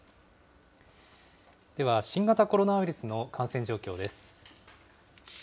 では、新型コロナウイルスの感染状況です。